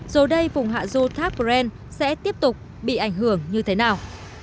dù đây vùng hạ du thác pren sẽ tiếp tục bị ảnh hưởng như thế nào